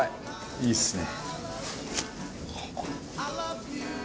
いいっすね。